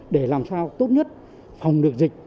để làm sao tốt nhất phòng được dịch